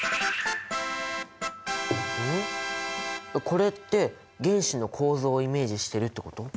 これって原子の構造をイメージしてるってこと？